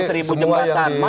semua yang di